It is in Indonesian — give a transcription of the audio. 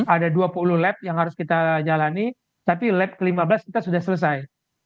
ada dua puluh lab yang harus kita jalani tapi lab ke lima belas kita sudah selesai